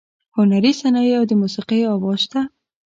هنري صنایع او د موسیقۍ اواز شته.